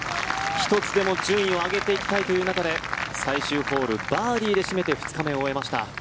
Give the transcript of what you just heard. １つでも順位を上げていきたいという中で最終ホールバーディーで締めて２日目を終えました。